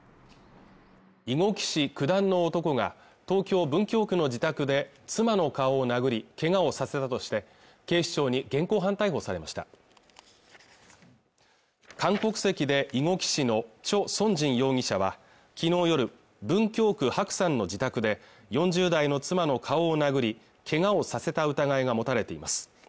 囲碁棋士九段の男が東京文京区の自宅で妻の顔を殴りけがをさせたとして警視庁に現行犯逮捕されました韓国籍で囲碁棋士のチョウ・ソンジン容疑者は昨日夜文京区白山の自宅で４０代の妻の顔を殴りけがをさせた疑いが持たれています